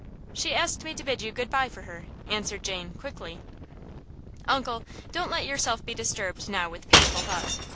"She asked me to bid you good by for her," answered Jane, quickly. "Uncle, don't let yourself be disturbed now with painful thoughts.